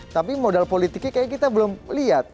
tapi modal politiknya kayaknya kita belum lihat